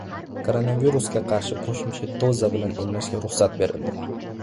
Koronavirusga qarshi qo‘shimcha doza bilan emlashga ruxsat berildi